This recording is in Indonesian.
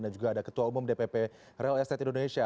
dan juga ada ketua umum dpp real estate indonesia